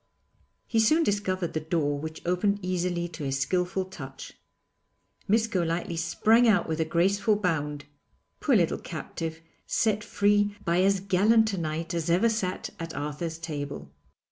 He soon discovered the door which opened easily to his skilful touch. Miss Golightly sprang out with a graceful bound poor little captive, set free by as gallant a knight as ever sat at Arthur's table.